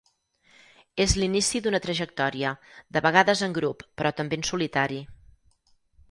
És l'inici d'una trajectòria, de vegades en grup però també en solitari.